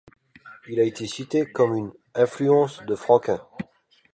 Il a été cité comme une influence de Franquin.